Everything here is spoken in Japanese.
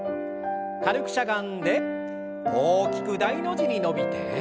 軽くしゃがんで大きく大の字に伸びて。